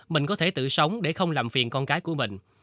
mình có thể tự sống để không làm phiền con cái của mình